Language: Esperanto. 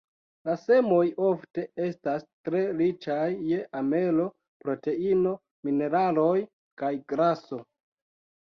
La semoj ofte estas tre riĉaj je amelo, proteino, mineraloj kaj graso.